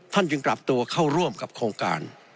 จึงกลับตัวเข้าร่วมกับโครงการ